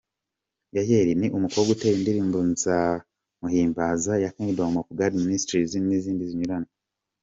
Yayeli ni umukobwa utera indirimbo 'Nzamuhimbaza' ya Kingdom of God Ministries n'izindi zinyuranye.